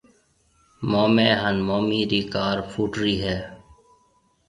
مومَي هانَ مومِي رِي ڪار ڦوٽرِي هيَ۔